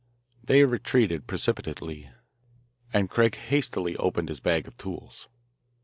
They retreated precipitately, and Craig hastily opened his bag of tools.